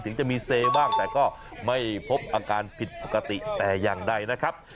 ถึงจะมีเซบ้างแต่ก็ไม่พบอาการผิดปกติแต่อย่างใดนะครับ